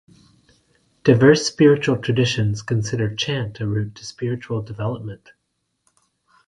Diverse spiritual traditions consider chant a route to spiritual development.